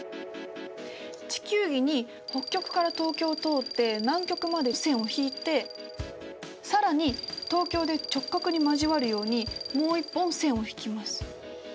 地球儀に北極から東京を通って南極まで線を引いて更に東京で直角に交わるようにもう一本線を引きます。